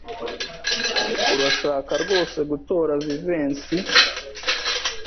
Urashaka rwose gutora Jivency?